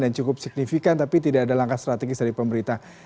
yang cukup signifikan tapi tidak ada langkah strategis dari pemerintah